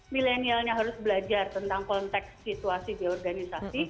millenialnya harus belajar tentang konteks situasi geodatanya